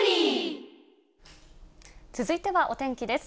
続いてはお天気です。